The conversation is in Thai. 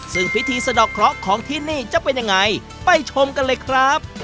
ซึ่งพิธีสะดอกเคราะห์ของที่นี่จะเป็นยังไงไปชมกันเลยครับ